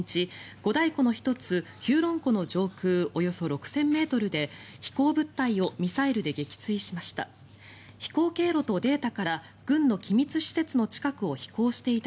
五大湖の１つヒューロン湖の上空およそ６０００ｍで飛行物体をミサイルで撃墜しました。